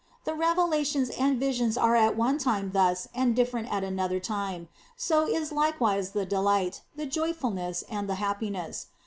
The revelations and visions are at one time thus and different at another time ; so is likewise the delight, the joyfulness, and the happiness.